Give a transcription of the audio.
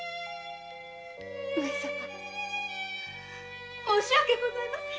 上様申し訳ございませぬ。